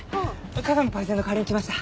加賀美パイセンの代わりに来ました。